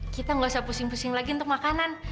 kita nggak usah pusing pusing lagi untuk makanan